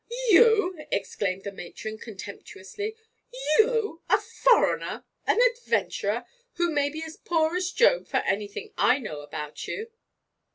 'You!' exclaimed the matron, contemptuously. 'You! a foreigner, an adventurer, who may be as poor as Job, for anything I know about you.'